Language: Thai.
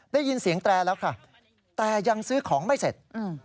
ได้ยินเสียงแตรแล้วค่ะแต่ยังซื้อของไม่เสร็จ